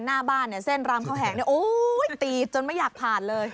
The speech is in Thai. หน้าบ้านเส้นรำเขาแห่งติดจนไม่อยากผ่านเลย